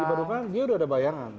jika dipadukan dia udah ada bayangan